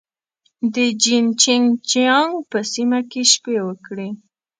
د جين چنګ جيانګ په سیمه کې شپې وکړې.